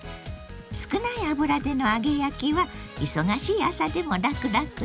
少ない油での揚げ焼きは忙しい朝でも楽々よ。